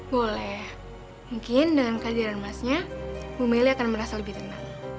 boleh mungkin dengan kehadiran emasnya bu meli akan merasa lebih tenang